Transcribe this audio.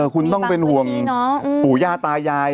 คุณต้องเป็นห่วงปู่ย่าตายาย